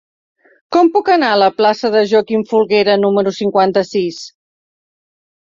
Com puc anar a la plaça de Joaquim Folguera número cinquanta-sis?